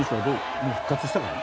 もう復活したかな？